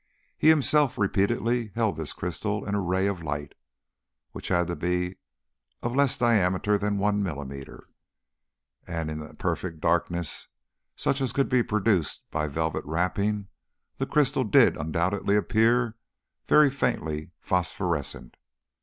He has himself repeatedly held this crystal in a ray of light (which had to be of a less diameter than one millimetre). And in a perfect darkness, such as could be produced by velvet wrapping, the crystal did undoubtedly appear very faintly phosphorescent.